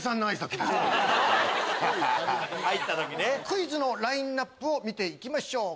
クイズのラインアップを見て行きましょう。